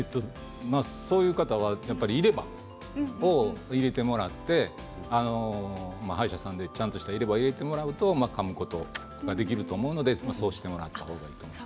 そういう方はやっぱり入れ歯を入れてもらって歯医者さんでちゃんとした入れ歯を入れてもらうとかむことができると思うのでそうしてもらった方がいいと思います。